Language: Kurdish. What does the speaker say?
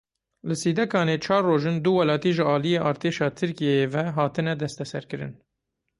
Li Sîdekanê çar roj in du welatî ji aliyê artêşa Tirkiyeyê ve hatine desteserkirin.